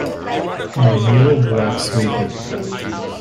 My new black suede.